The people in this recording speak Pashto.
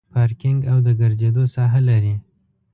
پارکینګ او د ګرځېدو ساحه لري.